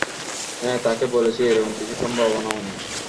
হ্যাঁ, তাকে বলেছি এরকম কিছুর সম্ভাবনাও নেই!